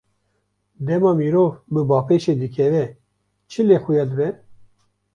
Dema mirov bi bapêşê dikeve, çi lê xuya dibe?